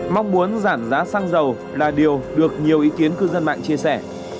mong muốn giảm giá xăng dầu là điều được nhiều ý kiến cư dân mạng chia sẻ